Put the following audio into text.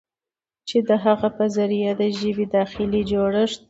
چې د هغه په ذريعه د ژبې داخلي جوړښت